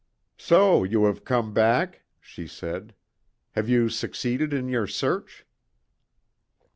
"So you have come back?" she said. "Have you succeeded in your search?"